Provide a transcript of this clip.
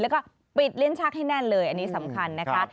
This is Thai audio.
แล้วก็ปิดลิ้นชักให้แน่นเลยอันนี้สำคัญนะคะ